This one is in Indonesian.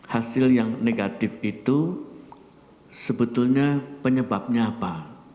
hasil yang negatif itu sebetulnya penyebabnya apa